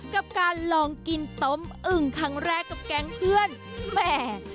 กับการลองกินต้มอึ่งครั้งแรกกับแก๊งเพื่อนแหม